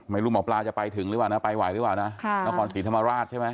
ไม่รู้หมอปลาจะไปถึงหรือเปล่านะไปไหวหรือเปล่านะนครศรีธรรมราชใช่ไหม